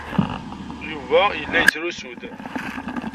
Yuba yella yettrusu-d.